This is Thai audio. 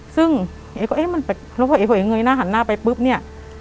ซึ่งเอ๊ก็เอ๊ะมันแปลกแล้วพอเอเผยเงยหน้าหันหน้าไปปุ๊บเนี่ย